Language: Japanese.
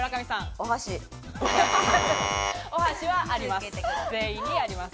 お箸はあります。